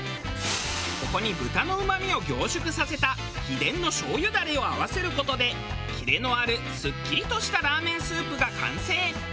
ここに豚のうまみを凝縮させた秘伝の醤油ダレを合わせる事でキレのあるスッキリとしたラーメンスープが完成。